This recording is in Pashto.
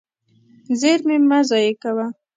زېرمې مه ضایع کوه.